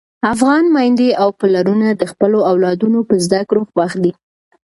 افغان میندې او پلرونه د خپلو اولادونو په زده کړو خوښ دي.